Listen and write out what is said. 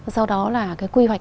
sau đó là cái quy hoạch